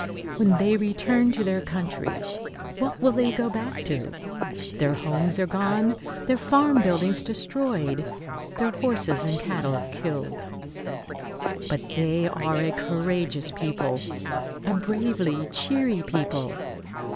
When they return to their country, what will they go back to? Their homes are gone, their farm buildings destroyed, their horses and cattle killed. But they are a courageous people, a bravely cheery people.